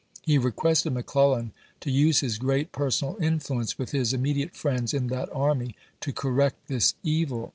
He requested McClellan to use his great personal influence with his immediate friends in that army to correct this evil.